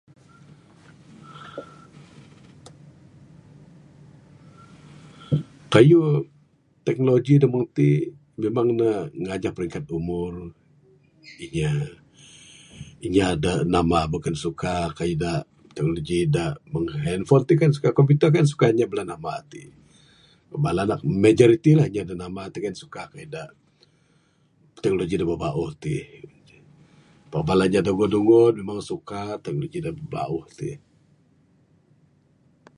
Kayuh, teknologi da mung ti, memang ne nganjah peringkat umur. Inya, inya da namba bekun suka kayuh da, teknologi da mung handfon ti kai ne suka, komputer kai ne suka inya bala namba ti. Bala nak majoriti bala da namba ti kai ne suka, teknologi da babauh ti. Pak bala inya da ungud-ungud memang suka teknologi da bauh ti.